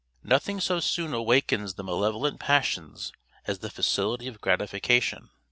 Nothing so soon awakens the malevolent passions as the facility of gratification.